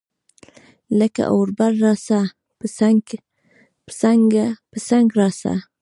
لکه اوربل راسه ، پۀ څنګ راسه